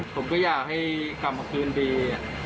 ผมก็อยากให้กลับมาคืนดี